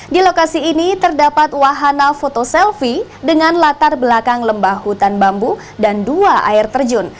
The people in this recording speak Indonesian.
di lokasi ini terdapat wahana foto selfie dengan latar belakang lembah hutan bambu dan dua air terjun